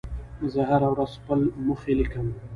زه هره ورځ خپل موخې لیکم.